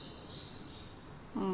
うん。